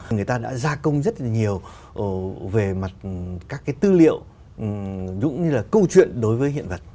người ta đã gia công rất là nhiều về mặt các cái tư liệu nhũng như là câu chuyện đối với hiện vật